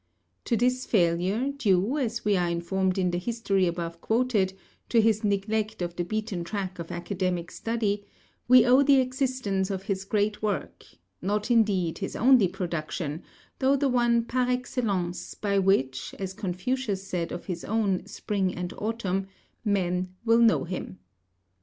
To this failure, due, as we are informed in the history above quoted, to his neglect of the beaten track of academic study, we owe the existence of his great work; not, indeed, his only production, though the one par excellence by which, as Confucius said of his own "Spring and Autumn," men will know him.